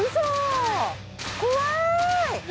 怖い！